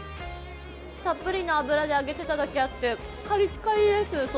たっぷりの油で揚げていただけあって、カリッカリです。